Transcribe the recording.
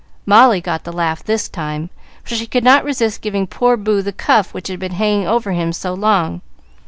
Molly got the laugh this time, for she could not resist giving poor Boo the cuff which had been hanging over him so long.